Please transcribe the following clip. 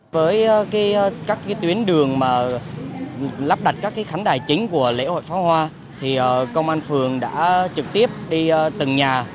với các tuyến đường lắp đặt các khánh đài chính của lễ hội phóng hoa công an phường đã trực tiếp đi từng nhà